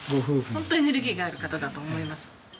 ホントにエネルギーがある方だと思います。